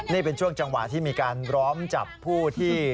นี่เป็นช่วงจังหวะที่มีการล้อมจับผู้ที่